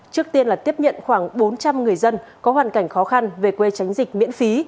trước tiên là tiếp nhận khoảng bốn trăm linh người dân có hoàn cảnh khó khăn về quê tránh dịch miễn phí